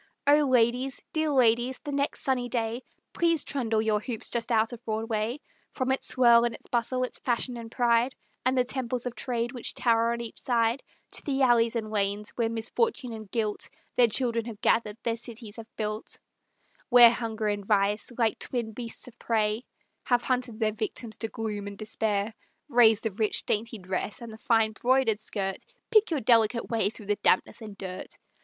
O! ladies, dear ladies, the next sunny day, Please trundle your hoops just out of Broadway, From its swirl and its bustle, its fashion and pride And the temples of Trade which tower on each side, To the alleys and lanes, where Misfortune and Guilt Their children have gathered, their city have built; Where Hunger and Vice, like twin beasts of prey, Have hunted their victims to gloom and despair; Raise the rich, dainty dress, and the fine broidered skirt, Pick your delicate way through the dampness and dirt.